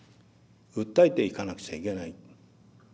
訴えていかなくちゃいけない。